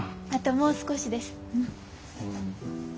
あともう少しです。